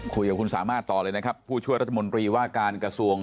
คุยกับคุณสามารถต่อเลยนะครับผู้ช่วยรัฐมนตรีว่าการกระทรวง